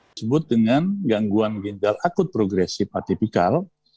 disebut dengan gangguan ginjal akut progresif atipikal